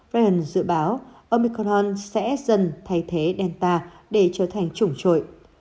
ryan dự báo omicorn sẽ dần thay thế delta để trở thành chủng trội